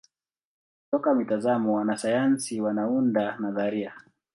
Kutoka mitazamo wanasayansi wanaunda nadharia.